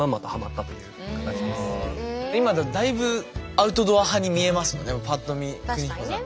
そこに今だいぶアウトドア派に見えますもんねぱっと見邦彦さん。